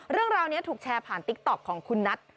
เรื่องราวนี้ถูกแชร์ผ่านติ๊กต๊อกของคุณนัท